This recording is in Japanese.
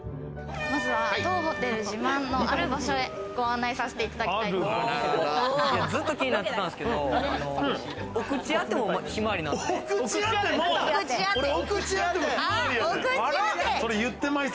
まずは当ホテル自慢のある場所へご案内させていただきたいと思っています。